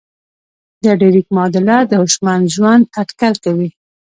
د ډریک معادله د هوشمند ژوند اټکل کوي.